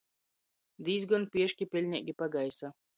Dīzgon pieški piļneigi pagaisa.